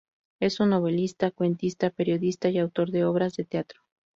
Es un novelista, cuentista, periodista y autor de obras de teatro.